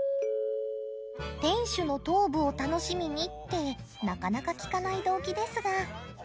店主の頭部を楽しみにってなかなか聞かない動機ですが